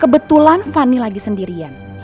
kebetulan fanny lagi sendirian